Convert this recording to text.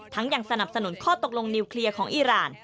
ยังสนับสนุนข้อตกลงนิวเคลียร์ของอีราน